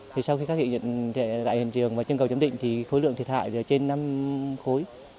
thì sau khi các hiện trường và chân cầu chấm định thì khối lượng thiệt hại trên năm khối